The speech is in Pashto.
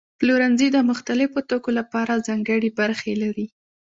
پلورنځي د مختلفو توکو لپاره ځانګړي برخې لري.